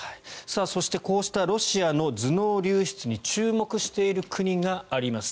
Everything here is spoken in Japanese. こうしたロシアの頭脳流出に注目している国があります。